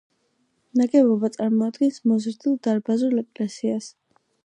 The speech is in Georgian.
ნაგებობა წარმოადგენს მოზრდილ დარბაზულ ეკლესიას.